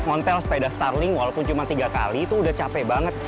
ontel sepeda starling walaupun cuma tiga kali itu udah capek banget